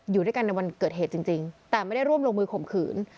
อยู่ด้วยกันในวันเกิดเหตุจริงแต่ไม่ได้ร่วมลงมือข่มขืน